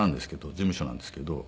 事務所なんですけど。